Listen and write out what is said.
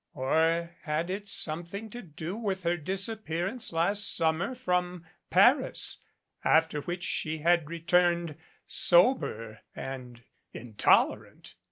Or had it something to do with her disappearance last summer from Paris, after which she had returned sober and intolerant?